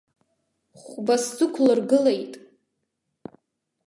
Хәба сзықәлыргылеит.